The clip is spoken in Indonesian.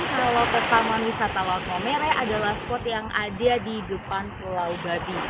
kalau ke taman wisata laut momere adalah spot yang ada di depan pulau babi